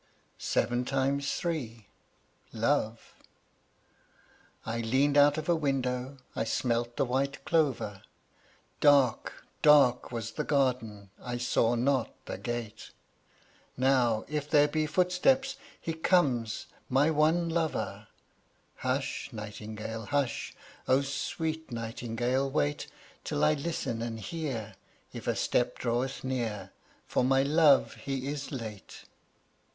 SEVEN TIMES THREE. LOVE. I leaned out of window, I smelt the white clover, Dark, dark was the garden, I saw not the gate; "Now, if there be footsteps, he comes, my one lover Hush, nightingale, hush! O, sweet nightingale, wait Till I listen and hear If a step draweth near, For my love he is late!